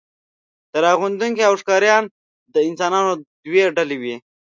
راغونډوونکي او ښکاریان د انسانانو دوې ډلې وې.